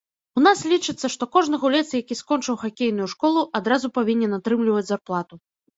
У нас лічыцца, што кожны гулец, які скончыў хакейную школу, адразу павінен атрымліваць зарплату.